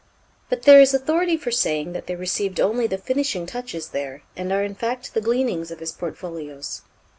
But there is authority for saying that they received only the finishing touches there, and are in fact the gleanings of his portfolios.